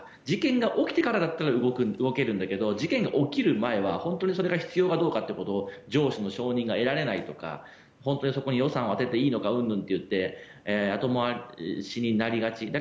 事件が起きてからだったら動けるんだけど事件が起きる前は本当にそれが必要かどうかっていうことが上司の承認が得られないとか本当にそこに予算を充てていいのかうんぬんと言って後回しになりがち。